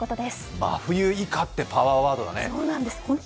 真冬以下ってパワーワードだね。